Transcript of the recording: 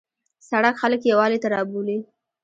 سړک خلک یووالي ته رابولي.